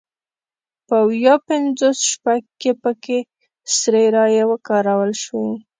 په ویا پینځوس شپږ کې پکې سري رایې وکارول شوې.